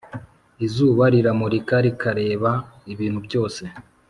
Izuba riramurika rikareba ibintu byose,